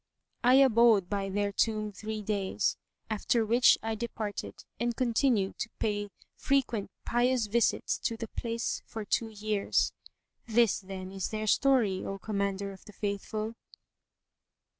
I abode by their tomb three days, after which I departed and continued to pay frequent pious visits[FN#140] to the place for two years. This then is their story, O Commander of the Faithful!